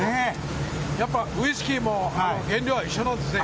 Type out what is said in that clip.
やっぱウイスキーも原料は一緒なんですね。